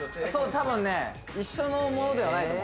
多分ね一緒のものではないと思う